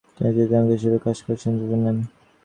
তিনি চিত্রনাট্যকার হিসেবে কাজ করার সিদ্ধান্ত নেন।